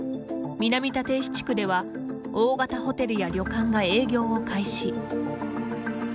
南立石地区では大型ホテルや旅館が営業を開始。